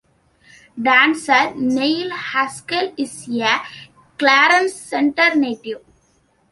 Dancer Neil Haskell is a Clarence Center native.